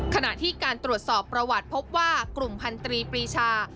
ขณะที่การตรวจสอบประวัติพบว่ากลุ่มพันธรีปรีชา